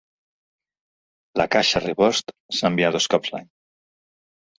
La caixa "rebost" s'envia dos cops l'any.